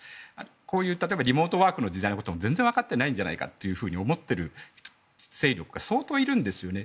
こういう例えばリモートワークの時代のことも全然分かっていないんじゃないかと思っている勢力が相当いるんですよね。